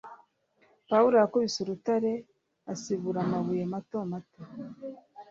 Pawulo yakubise urutare, asibura amabuye mato mato